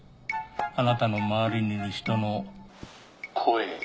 あなたの周りにいる人の声。